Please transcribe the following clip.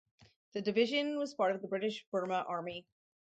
The Division was part of the British Burma Army.